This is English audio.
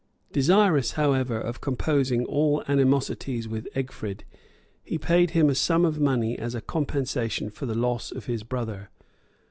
Desirous, however, of composing all animosities with Egfrid, he paid him a sum of money as a compensation for the loss of his brother.